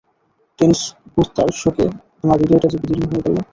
Tennis কোর্তার শোকে তোমার হৃদয়টা যে বিদীর্ণ হয়ে গেল।